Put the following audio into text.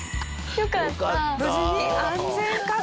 よかった。